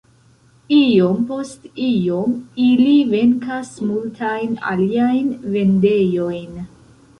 Iom post iom ili venkas multajn aliajn vendejojn.